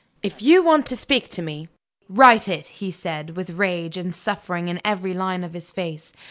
"If you want to speak to me, write it!" he said, with rage and suffering in every line of his face.